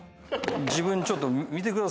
自分ちょっと見てください